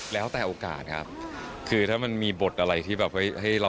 อีเป็นไงรักนะเนี่ยอวยขนาดนี้เลยนะคะ